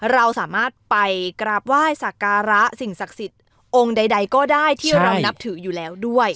เราสามารถไปกราบไหว้สักการะสิ่งศักดิ์สิทธิ์องค์ใดก็ได้ที่เรานับถืออยู่แล้วด้วย